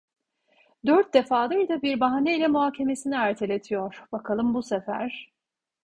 Dört defadır da bir bahaneyle muhakemesini erteletiyor, bakalım bu sefer…